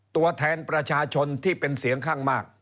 ตัวแทนประชาชนที่เป็นเสียงข้างมาก